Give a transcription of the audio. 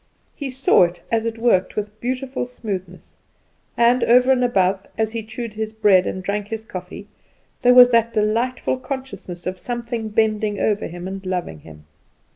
He saw it as it worked with beautiful smoothness; and over and above, as he chewed his bread and drank his coffee, there was that delightful consciousness of something bending over him and loving him.